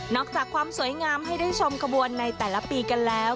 อกจากความสวยงามให้ได้ชมขบวนในแต่ละปีกันแล้ว